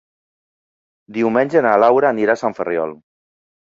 Diumenge na Laura anirà a Sant Ferriol.